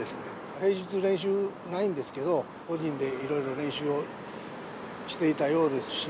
平日練習ないんですけど、個人でいろいろ練習をしていたようですし。